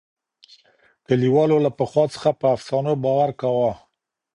کلیوالو له پخوا څخه په افسانو باور کاوه.